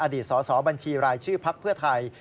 อดีตสบรายชื่อพักเพื่อไทย